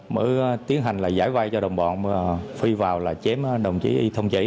mới tiến hành giải vai cho đồng bọn phi vào là chém đồng chí y thông chỉ